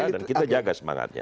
dan kita jaga semangatnya